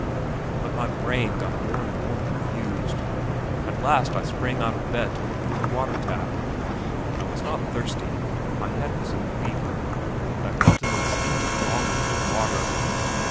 But my brain got more and more confused. At last I sprang out of bed to look for the water tap. I was not thirsty, but my head was in a fever, and I felt an instinctive longing for water.